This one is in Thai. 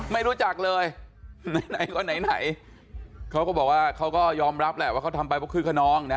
ไม่รู้จักเลยไหนก็ไหนเขาก็บอกว่าเขาก็ยอมรับแหละว่าเขาทำไปเพราะคึกขนองนะ